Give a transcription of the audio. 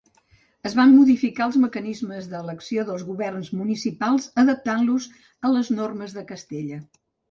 Es van modificar els mecanismes d'elecció dels governs municipals adaptant-los a les normes de Castella.